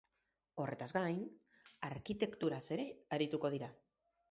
Horretaz gain, arkitekturaz ere arituko dira.